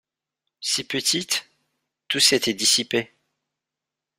Si petite, tout s’était dissipé.